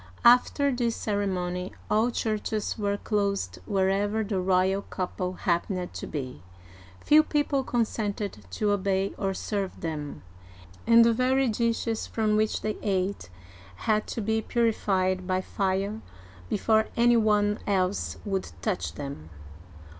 After this ceremony, all churches were closed wherever the royal couple happened to be, few people consented to obey or serve them, and the very dishes from which they ate had to be purified by fire be fore any one else would touch them.